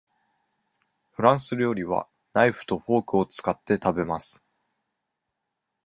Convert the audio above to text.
フランス料理はナイフとフォークを使って食べます。